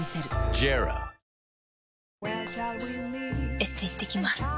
エステ行ってきます。